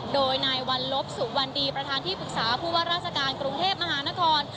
โดยนายวัลลบสุวรรณดีประธานที่ปรึกษาผู้ว่าราชการกรุงเทพมหานคร